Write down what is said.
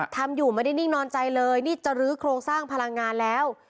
ทำอยู่ไม่ได้นิ่งนอนใจเลยนี่จะลื้อโครงสร้างพลังงานแล้ว